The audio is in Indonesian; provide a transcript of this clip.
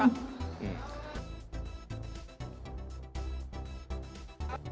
bapak renner mengadakan live experience di pulau dinosaurus